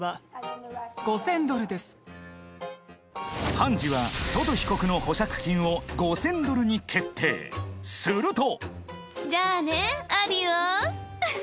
．．．判事はソト被告の保釈金を５０００ドルに決定すると・